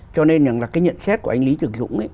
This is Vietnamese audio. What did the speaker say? cho nên là cái nhận xét của anh lý trường dũng ấy